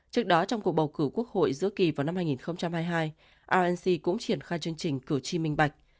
trước đó trong cuộc bầu cử quốc hội giữa kỳ vào năm hai nghìn hai mươi hai rc cũng triển khai chương trình cử tri minh bạch